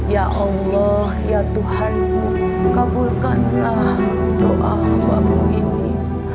ya allah ya tuhan kabulkanlah doa aku ini